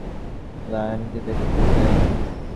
চিকাগোয় এলেই আমি মি ও মিসেস লায়নকে দেখতে যাই।